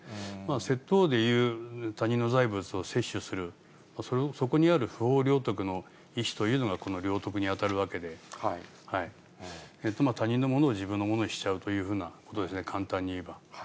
窃盗でいう他人の財物をせっしゅする、そこにある不法領得の意思というのが、この領得に当たるわけで、他人のものを自分のものにしちゃうというふうなことですね、簡単に言えば。